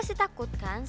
isinya hidup mana